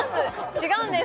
違うんです